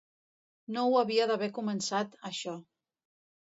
No ho havia d'haver començat, això.